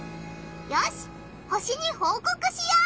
よし星にほうこくしよう！